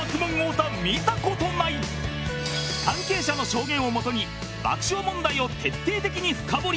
関係者の証言をもとに爆笑問題を徹底的に深掘り